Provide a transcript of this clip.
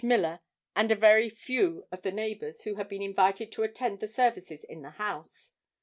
Miller and a very few of the neighbors who had been invited to attend the services in the house.